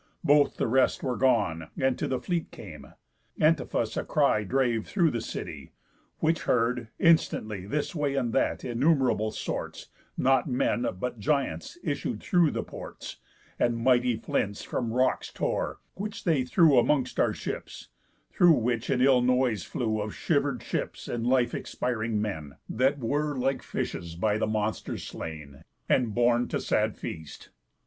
Both the rest were gone; And to the fleet came. Antiphas a cry Drave through the city; which heard, instantly This way and that innumerable sorts, Not men, but giants, issued through the ports, And mighty flints from rocks tore, which they threw Amongst our ships; through which an ill noise flew Of shiver'd ships, and life expiring men, That were, like fishes, by the monsters slain, And borne to sad feast.